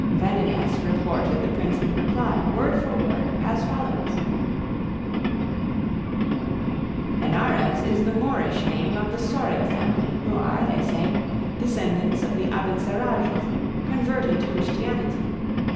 Vandenesse reported the Prince's reply, word for word, as follows: "Henarez is the Moorish name of the Soria family, who are, they say, descendants of the Abencerrages, converted to Christianity.